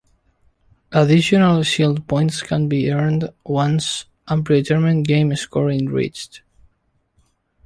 Additional shield points can be earned once a predetermined game score is reached.